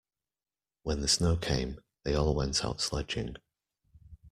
When the snow came, they all went out sledging.